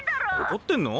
怒ってんの？